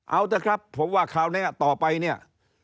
เอาเถอะครับผมว่าคราวนี้ต่อไปเนี่ย